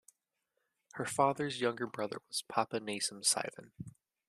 Her father's younger brother was Papanasam Sivan.